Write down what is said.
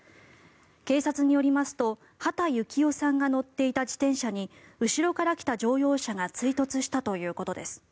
警察によりますと畠幸夫さんが乗っていた自転車に後ろから来た乗用車が追突したということです。